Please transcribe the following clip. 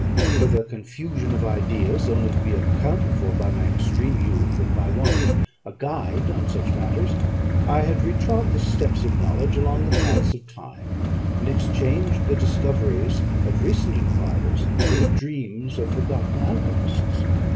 With a confusion of ideas only to be accounted for by my extreme youth, and my want of a guide on such matters, I had retrod the steps of knowledge along the paths of time, and exchanged the discoveries of recent enquirers for the dreams of forgotten alchymists.